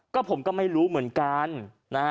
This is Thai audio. ก็ผมก็ไม่รู้เหมือนกันนะฮะ